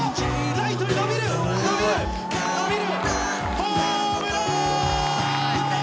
ライトへ伸びる、伸びる！